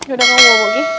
udah gak mau bogi